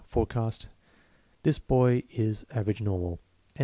Forecast: This boy is average normal, and